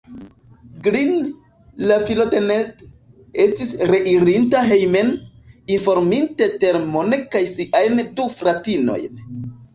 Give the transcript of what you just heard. Glin, la filo de Ned, estis reirinta hejmen, informinte Telmon kaj siajn du fratinojn.